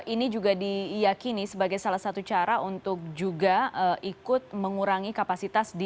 ini juga diyakini sebagai salah satu cara untuk juga ikut mengurangi kapasitas di